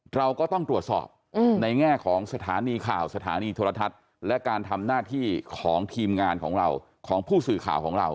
เราก็ต้องตรวจสอบในแง่ของสถานีข่าวสถานีโทรทัศน์และการทำหน้าที่ของทีมงานของเราของผู้สื่อข่าวของเรา